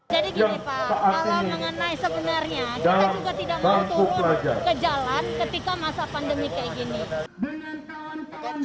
gini pak kalau mengenai sebenarnya kita juga tidak mau turun ke jalan ketika masa pandemi kayak gini